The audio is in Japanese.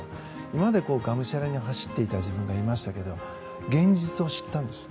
今までがむしゃらに走っていた自分がいましたけど現実を知ったんです。